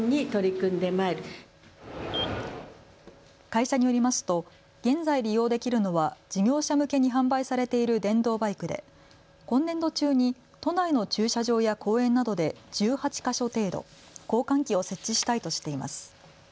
会社によりますと現在利用できるのは事業者向けに販売されている電動バイクで、今年度中に都内の駐車場や公園などで１８か所程度、交換機を設置したいとしています。